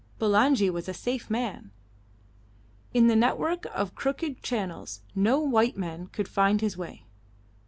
Bulangi was a safe man. In the network of crooked channels no white man could find his way.